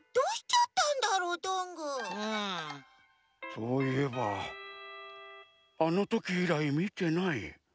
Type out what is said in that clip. そういえばあのときいらいみてない。